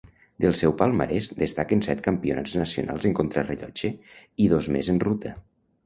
Del seu palmarès destaquen set Campionats nacionals en contrarellotge, i dos més en ruta.